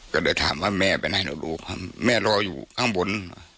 ก็เลยถามว่าแม่ไปไหนหนูรู้ครับแม่รออยู่ข้างบน